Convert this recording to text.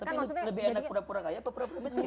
tapi lebih enak pura pura kaya atau pura profesional